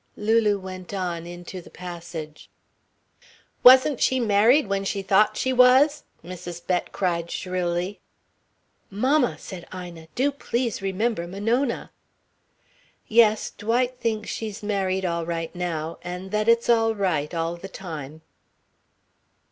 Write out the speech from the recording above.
Lulu went on, into the passage. "Wasn't she married when she thought she was?" Mrs. Bett cried shrilly. "Mamma," said Ina. "Do, please, remember Monona. Yes Dwight thinks she's married all right now and that it's all right, all the time."